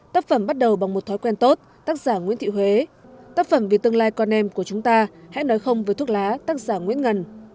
tác phẩm bắt đầu bằng một thói quen tốt tác giả nguyễn thị huế tác phẩm vì tương lai con em của chúng ta hãy nói không với thuốc lá tác giả nguyễn ngân